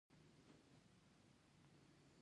زه د ښې راتلونکي له پاره زحمت کاږم.